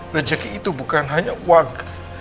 rezeki itu bukan hanya warga